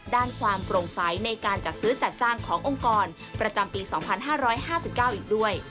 ด้านความโปร่งใสในการจัดซื้อจัดจ้างขององค์กรประจำปี๒๕๕๙อีกด้วย